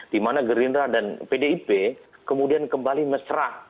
di mana gerindra dan pdip kemudian kembali mesra